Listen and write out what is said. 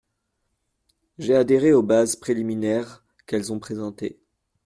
J'ai adhéré aux bases préliminaires qu'elles ont présentées.